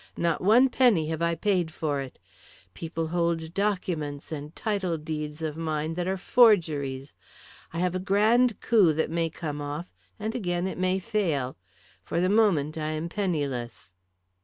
Not one penny have I paid for it. People hold documents and title deeds of mine that are forgeries. I have a grand coup that may come off, and again it may fail. For the moment I am penniless."